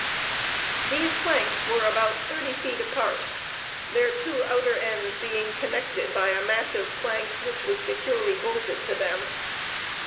These planks were about thirty feet apart, their two outer ends being connected by a massive plank, which was securely bolted to them.